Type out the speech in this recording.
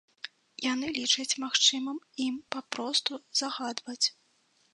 Яны лічаць магчымым ім папросту загадваць.